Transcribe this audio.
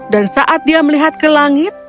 dan saat dia melihat ke langit